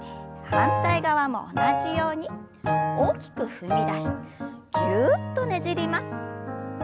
反対側も同じように大きく踏み出してぎゅっとねじります。